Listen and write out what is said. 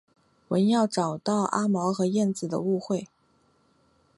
文耀找到阿毛和燕子误解。